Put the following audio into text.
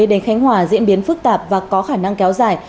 đến khánh hòa diễn biến phức tạp và có khả năng kéo dài